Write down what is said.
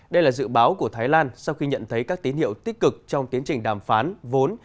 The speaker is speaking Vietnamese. đây là dự báo của thái lan sau khi nhận thấy các tín hiệu tích cực trong tiến trình đàm phán vốn